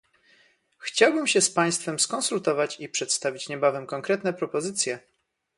Chciałbym się z państwem skonsultować i przedstawić niebawem konkretne propozycje